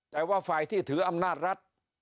แต่ว่าฝ่ายที่ถืออำนาจรัฐ